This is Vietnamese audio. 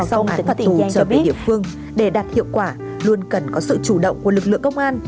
xong án phạt thù cho về địa phương để đạt hiệu quả luôn cần có sự chủ động của lực lượng công an